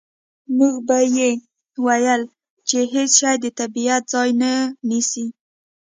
مور به یې ویل چې هېڅ شی د طبیعت ځای نه نیسي